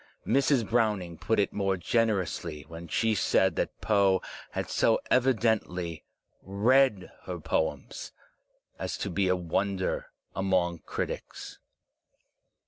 Mrs. Browning put it more generously when she said that Poe had so evidently read her poems as to be a wonder among critics.